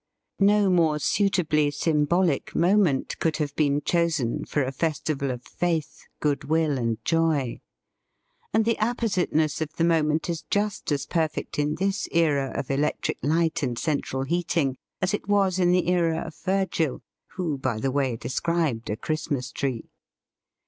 No more suitably symbolic moment could have been chosen for a festival of faith, good will and joy. And the appositeness of the moment is just as perfect in this era of electric light and central heating, as it was in the era of Virgil, who, by the way, described a Christmas tree.